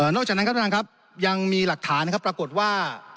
จากนั้นครับท่านครับยังมีหลักฐานนะครับปรากฏว่า